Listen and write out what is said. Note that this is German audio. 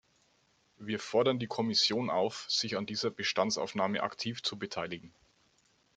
Wir fordern die Kommission auf, sich an dieser Bestandsaufnahme aktiv zu beteiligen.